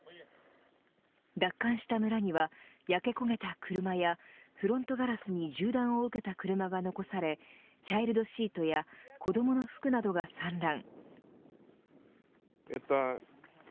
奪還した村には焼け焦げた車やフロントガラスに銃弾を受けた車が残されチャイルドシートや子どもの服などが散乱。